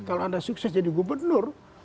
kalau anda sukses jadi gubernur